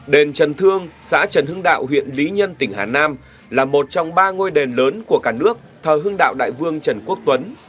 đền trần thương xã trần hưng đạo huyện lý nhân tỉnh hà nam là một trong ba ngôi đền lớn của cả nước thờ hưng đạo đại vương trần quốc tuấn